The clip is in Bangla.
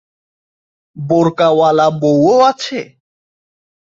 বোরকাওয়ালা বউও আছে?